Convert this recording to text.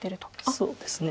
そうですね。